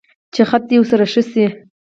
چې خط دې ورسره ښه شي.